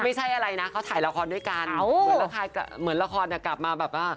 ไม่ใช่อะไรนะเขาถ่ายละครด้วยกันเหมือนละครกลับมาแบบว่า